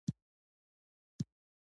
د هر څه سرچينه فساد دی.